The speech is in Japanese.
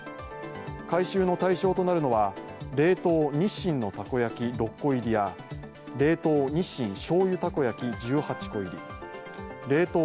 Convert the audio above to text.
回収の対象となるのは冷凍日清のたこ焼６個入りや冷凍日清醤油たこ焼１８個入り冷凍